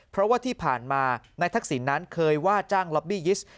เพราะว่าที่ผ่านมานายทักษิณนั้นเคยว่าจ้างล็อบบี้ยิสต์